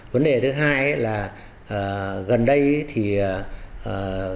vấn đề thứ hai là gần đây nhà nước có tăng cường